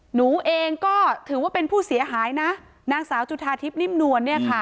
หนูเองก็ถือว่าเป็นผู้เสียหายนะนางสาวจุธาทิพย์นิ่มนวลเนี่ยค่ะ